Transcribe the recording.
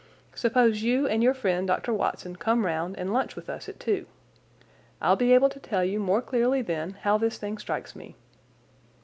Suppose you and your friend, Dr. Watson, come round and lunch with us at two. I'll be able to tell you more clearly then how this thing strikes me."